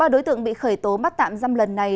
ba đối tượng bị khởi tố bắt tạm giam lần này